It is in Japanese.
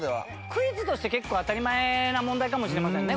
クイズとして結構当たり前な問題かもしれませんね